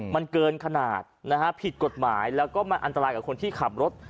มันเกินขนาดนะฮะผิดกฎหมายแล้วก็มันอันตรายกับคนที่ขับรถ